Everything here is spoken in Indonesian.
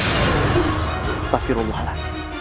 tidak akan menangkapnya